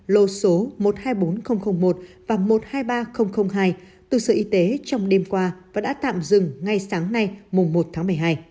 lô số một trăm hai mươi bốn nghìn một và một trăm hai mươi ba nghìn hai từ sở y tế trong đêm qua và đã tạm dừng ngay sáng nay mùng một tháng một mươi hai